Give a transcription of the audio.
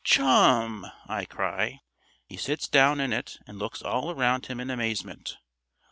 "Chum!" I cry. He sits down in it and looks all round him in amazement.